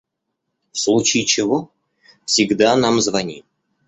В случае чего всегда нам звони.